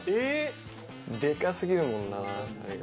でかすぎるもんなあれが。